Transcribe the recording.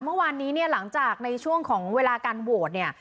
เมื่อวานนี้เนี่ยหลังจากในช่วงของเวลาการโหวตเนี่ย